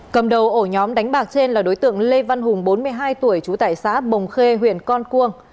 cầm đầu ổ nhóm đánh bạc trên là đối tượng lê văn hùng bốn mươi hai tuổi trú tại xã bồng khê huyện con cuông